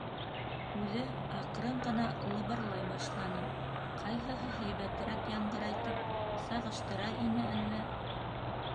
—Үҙе аҡрын ғына лыбырлай башланы, ҡайһыһы һәйбәтерәк яңғырай тип сағыштыра ине әллә.